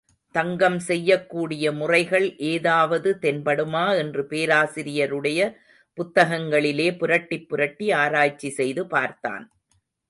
தங்கம் செய்யக்கூடிய முறைகள் ஏதாவது தென்படுமா என்று பேராசிரியருடைய புத்தகங்களிலே புரட்டிப்புரட்டி ஆராய்ச்சி செய்து பார்த்தான்.